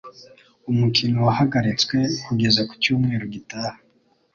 Umukino wahagaritswe kugeza ku cyumweru gitaha.